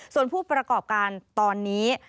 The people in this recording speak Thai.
ส่วนผู้ประกอบการตอนนี้